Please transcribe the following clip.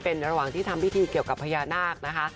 เป็นระหว่างที่ทำพิธีเกี่ยวกับพญานาคนะคะ